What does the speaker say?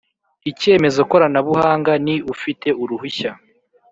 Icyemezo koranabuhanga ni ufite uruhushya